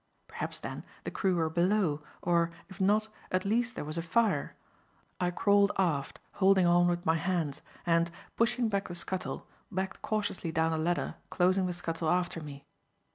Perhaps, then, the crew were below, or, if not, at least there was a fire. I crawled aft, holding on with my hands, and, pushing back the scuttle, backed cautiously down the ladder closing the scuttle after me.